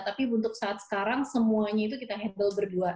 tapi untuk saat sekarang semuanya itu kita handle berdua